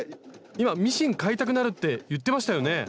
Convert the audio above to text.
今ミシン買いたくなるって言ってましたよね？